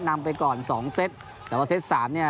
นำไปก่อนสองเซตแต่ว่าเซตสามเนี่ย